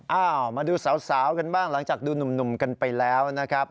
มาดูสาวกันบ้างหลังจากดูหนุ่มกันไปแล้วนะครับ